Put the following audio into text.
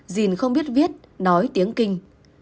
dình không biết viết nói tiếng kinh